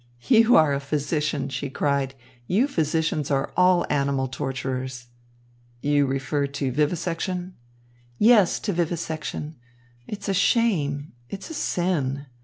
"You are a physician," she cried. "You physicians are all animal torturers." "You refer to vivisection?" "Yes, to vivisection. It's a shame, it's a sin.